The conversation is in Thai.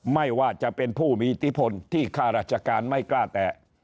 ไม่ว่าจะเป็นผู้มีอิทธิพลที่ข้าราชการไม่กล้าแตะ